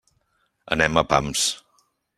Anem a pams.